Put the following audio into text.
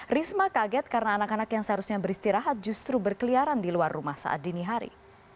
risma kaget karena anak anak yang seharusnya beristirahat justru berkeliaran di luar rumah saat dini hari